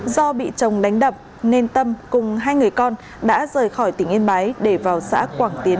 do bị chồng đánh đập nên tâm cùng hai người con đã rời khỏi tỉnh yên bái để vào xã quảng tiến